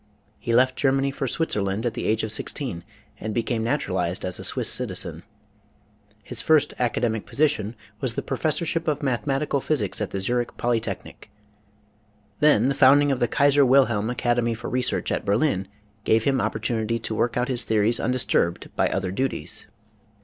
He left Germany for Switzer land at the age of sixteen and became naturalized as a Swiss citizen. His first academic position was the Professorship of Mathematical Physics at the Ziirich Polytechnic. Then the founding of the Kaiser Wil helm Academy for Research at Berlin gave him oppor tunity to work out his theories undisturbed by other duties.